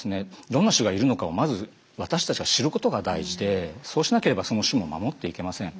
どんな種がいるのかをまず私たちが知ることが大事でそうしなければその種も守っていけません。